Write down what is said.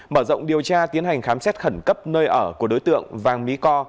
mở rộng điều tra tiến hành khám xét khẩn cấp nơi ở của đối tượng vàng mỹ co